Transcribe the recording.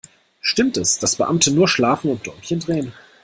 Stimmt es, dass Beamte nur schlafen und Däumchen drehen?